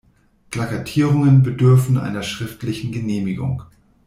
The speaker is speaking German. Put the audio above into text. Plakatierungen bedürfen einer schriftlichen Genehmigung.